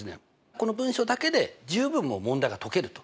この文章だけで十分もう問題が解けると。